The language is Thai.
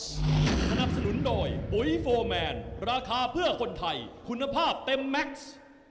สนับสนุนโดยปุ๋ยโฟร์แมนราคาเพื่อคนไทยคุณภาพเต็มแม็กซ์